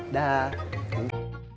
saya mau ke rumah